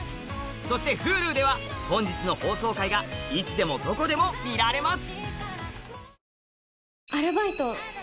そしてｈｕｌｕでは本日の放送回がいつでもどこでも見られます